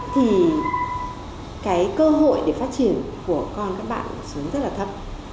thì cái cơ hội để phát triển của con các bạn xuống rất là thấp